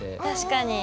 確かに。